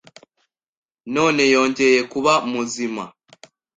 none yongeye kuba muzima